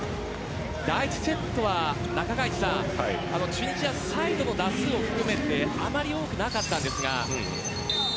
第１セットはチュニジアはサイドの打数も含めてあまり多くなかったんですが。